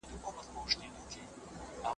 ددې خاوري ارغوان او زغن زما دی